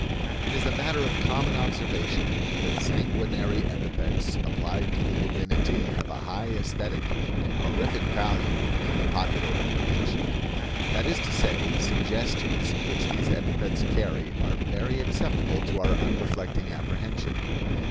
It is a matter of common observation that sanguinary epithets applied to the divinity have a high aesthetic and honorific value in the popular apprehension. That is to say, suggestions which these epithets carry are very acceptable to our unreflecting apprehension.